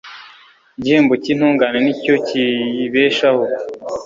Igihembo cy’intungane ni cyo kiyibeshaho